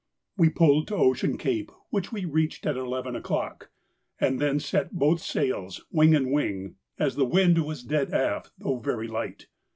We pulled to Ocean Cape, which we reached at eleven o'clock, and then set both sails 'wing and wing' as the wind was dead aft though very light.